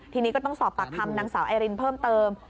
ทีนี้ก็ต้องสอบปากคำนางสาวไอรินเพิ่มเติม